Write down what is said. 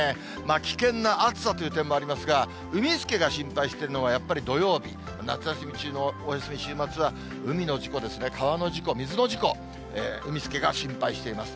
危険な暑さという点もありますが、うみスケが心配してるのは、やっぱり土曜日、夏休み中のお休み、週末は、海の事故ですね、川の事故、水の事故、うみスケが心配しています。